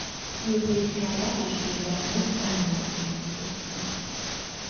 Külpolitikáját és védelmét Dánia irányította.